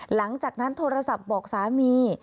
หลังจากนั้นโทรศัพท์บอกสามี